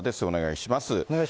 お願いします。